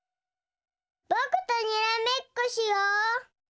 ぼくとにらめっこしよう！